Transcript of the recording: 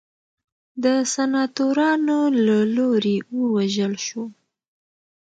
د سناتورانو له لوري ووژل شو.